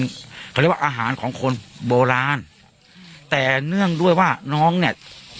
เขาเรียกว่าอาหารของคนโบราณแต่เนื่องด้วยว่าน้องเนี่ย